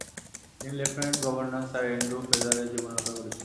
তিনি lieutenant governor sir Andrew ফ্রেজারের জীবন রক্ষা করেছিলেন।